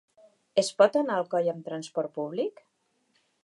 Es pot anar a Alcoi amb transport públic?